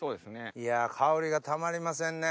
いや香りがたまりませんね。